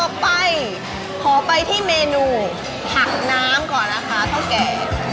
อ่าต่อไปขอไปที่เมนูผักน้ำก่อนนะคะท่อแก๊